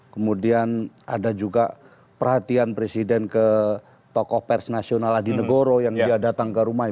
kemudian ada juga perhatian presiden ke tokoh pers nasional adi negoro yang dia datang ke rumah